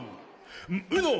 「ウノ！